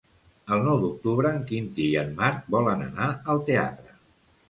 El nou d'octubre en Quintí i en Marc volen anar al teatre.